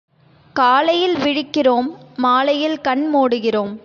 காலையில் விழிக்கிறோம் மாலையில் கண் மூடுகிறோம்.